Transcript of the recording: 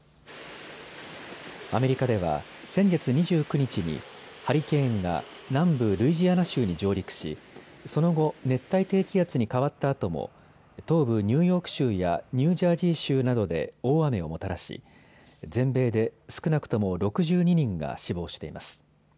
アメリカでは先月２９日にハリケーンが南部ルイジアナ州に上陸しその後、熱帯低気圧に変わったあとも東部ニューヨーク州やニュージャージー州などで大雨をもたらし全米で少なくとも６２人が死亡しています。